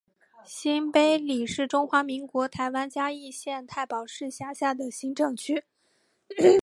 新埤里是中华民国台湾嘉义县太保市辖下的行政区。